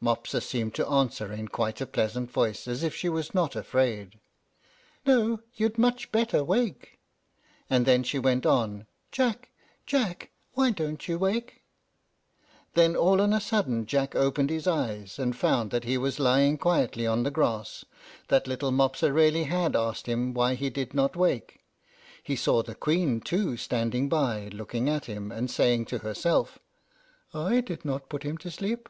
Mopsa seemed to answer in quite a pleasant voice, as if she was not afraid, "No, you'd much better wake." And then she went on, "Jack! Jack! why don't you wake!" Then all on a sudden Jack opened his eyes, and found that he was lying quietly on the grass, that little Mopsa really had asked him why he did not wake. He saw the Queen too, standing by, looking at him, and saying to herself, "I did not put him to sleep.